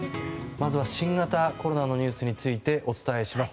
まずは新型コロナのニュースについてお伝えします。